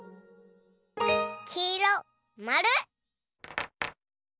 きいろまる。